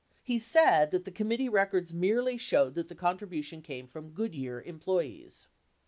He said that the committee records merely showed that the contribution came from Goodyear employees.